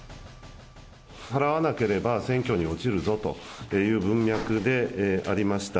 払わなければ選挙に落ちるぞという文脈でありました。